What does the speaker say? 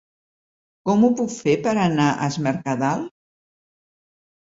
Com ho puc fer per anar a Es Mercadal?